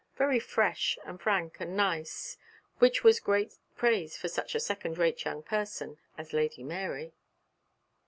Very fresh and frank and nice,' which was great praise for such a second rate young person as Lady Mary.